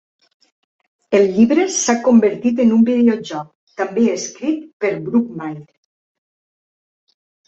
El llibre s'ha convertit en un videojoc, també escrit per Brookmyre.